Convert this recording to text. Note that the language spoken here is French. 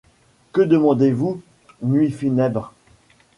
Que demandez-vous, nuits funèbres ?